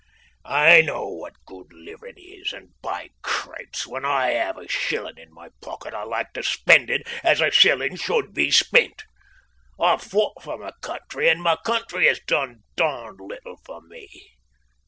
"I know what good living is, and, by cripes! while I have a shilling in my pocket I like to spend it as a shilling should be spent. I've fought for my country and my country has done darned little for me.